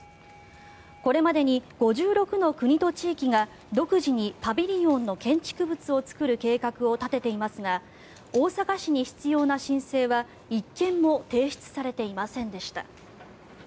これまでに５６の国と地域が独自にパビリオンの建築物を作る計画を立てていますが大阪市に必要な申請は１件も提出されていませんでした。